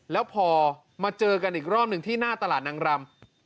แล้วพอมาเจอกันอีกรอบหนึ่งที่หน้าตลาดนางรำ